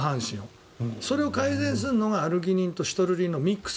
それを改善するのがアルギニンとシトルリンのミックス。